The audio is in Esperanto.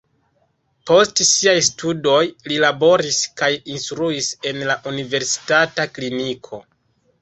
Post siaj studoj li laboris kaj instruis en la universitata kliniko.